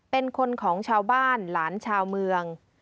เป็นคนของชาวบ้านหลานชาวเมือง